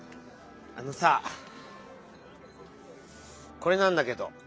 あのさこれなんだけど。